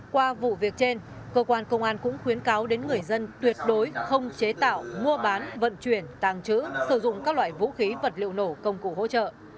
qua vụ việc trên cơ quan công an cũng khuyến cáo đến người dân tuyệt đối không chế tạo mua bán vận chuyển tàng trữ sử dụng các loại vũ khí vật liệu nổ công cụ hỗ trợ